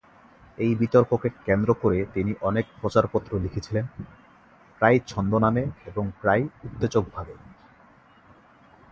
এই বিতর্ককে কেন্দ্র করে তিনি অনেক প্রচারপত্র লিখেছিলেন, প্রায়ই ছদ্মনামে এবং প্রায়ই উত্তেজকভাবে।